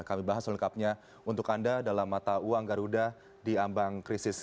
kami bahas lengkapnya untuk anda dalam mata uang garuda di ambang krisis